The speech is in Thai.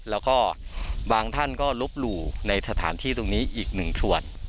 แล้วก็บางท่านก็ลบหลู่ในสถานที่ตรงนี้อีกหนึ่งส่วน